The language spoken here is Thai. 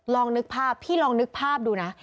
ลองนึกภาพพี่ลองนึกภาพดูนะ